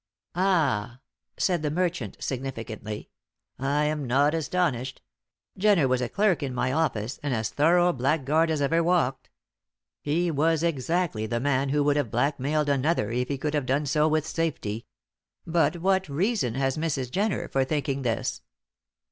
"Ah!" said the merchant, significantly. "I am not astonished. Jenner was a clerk in my office, and as thorough a blackguard as ever walked. He was exactly the man who would have blackmailed another if he could have done so with safety. But what reason has Mrs. Jenner for thinking this?"